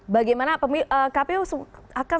bagaimana kpu akan